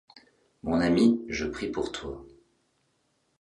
Mon ami, je prie pour toi.